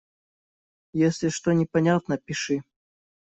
Если что непонятно - пиши.